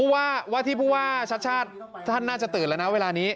วาทิพุวาชัชชาติท่านน่าจะตื่นแล้วนะเวลานี้